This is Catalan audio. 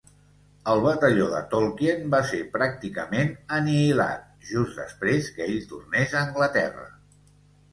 El batalló de Tolkien va ser pràcticament anihilat just després que ell tornés a Anglaterra.